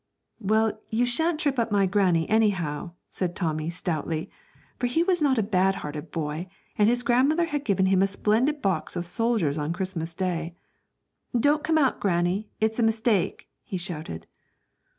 'Well, you shan't trip up my granny, anyhow,' said Tommy, stoutly; for he was not a bad hearted boy, and his grandmother had given him a splendid box of soldiers on Christmas Day. 'Don't come out, granny; it's a mistake,' he shouted.